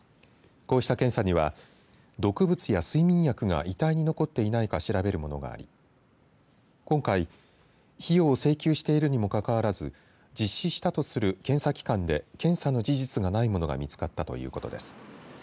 こうした検査には毒物や睡眠薬が遺体に残っていないか調べるものがあり今回、費用を請求しているにもかかわらず実施したとする検査機関で検査の事実がないものが見つかったということです。